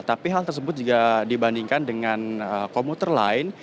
tapi hal tersebut jika dibandingkan dengan komuter lain